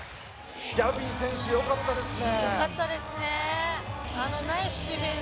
ギャビン選手、よかったですね。